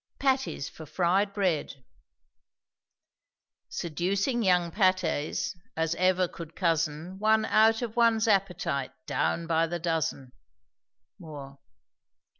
PATTIES FOR FRIED BREAD. Seducing young pâtés, as ever could cozen One out of one's appetite, down by the dozen. MOORE.